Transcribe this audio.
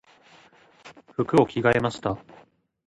服を着替えました。